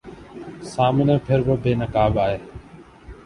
سامنے پھر وہ بے نقاب آئے